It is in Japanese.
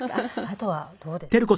あとはどうですかね？